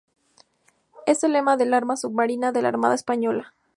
Es el lema del Arma Submarina de la Armada Española.